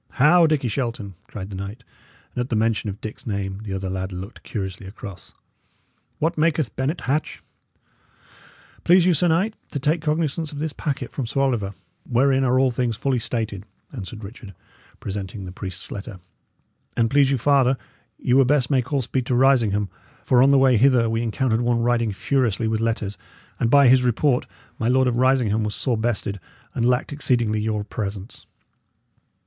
"How! Dickie Shelton!" cried the knight; and at the mention of Dick's name the other lad looked curiously across. "What maketh Bennet Hatch?" "Please you, sir knight, to take cognisance of this packet from Sir Oliver, wherein are all things fully stated," answered Richard, presenting the priest's letter. "And please you farther, ye were best make all speed to Risingham; for on the way hither we encountered one riding furiously with letters, and by his report, my Lord of Risingham was sore bested, and lacked exceedingly your presence."